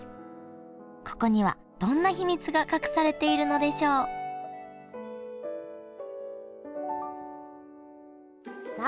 ここにはどんな秘密が隠されているのでしょう？さあ！